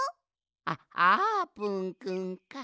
あっあーぷんくんか。